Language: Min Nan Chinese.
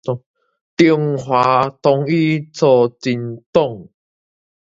中華統一促進黨